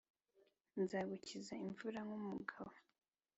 nzagukiza imvura nku mu bugabo